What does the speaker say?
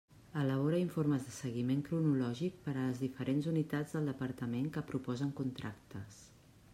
Elabora informes de seguiment cronològic per a les diferents unitats del Departament que proposen contractes.